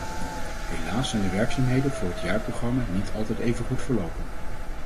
Helaas zijn de werkzaamheden voor het jaarprogramma niet altijd even goed verlopen.